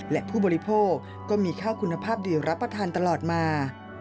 และผู้บริโภคก็มีข้าวคุณภาพดีรับประทานตลอดมา